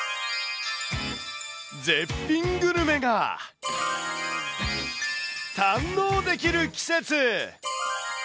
絶品グルメが、堪能できる季節。